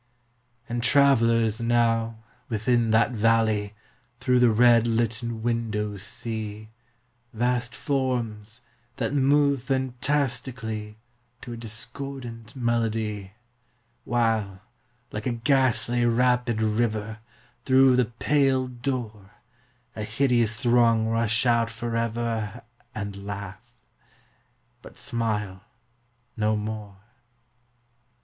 And travellers, now, within that valley, Through the red litten windows see Vast forms, that move fantastically To a discordant melody, While, like a ghastly rapid river, Through the pale door A hideous throng rush out forever And laugh but smile no more.